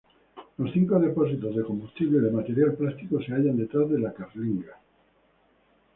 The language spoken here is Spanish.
Los cinco depósitos de combustible de material plástico se hallan detrás de la carlinga.